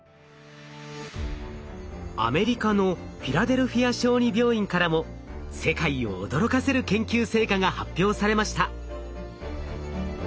アメリカのフィラデルフィア小児病院からも世界を驚かせる研究成果が発表されました。